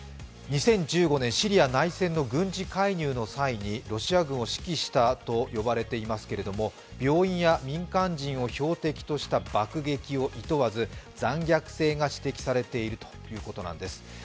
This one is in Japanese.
２０１５年、シリア内戦の軍事介入の際にロシア軍を指揮したと呼ばれていますけれども、病院や民間人を標的とした爆撃を厭わず、残虐性が指摘されているということです。